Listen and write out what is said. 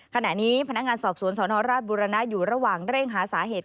ขณะนี้พนักงานสอบสวนสนราชบุรณะอยู่ระหว่างเร่งหาสาเหตุ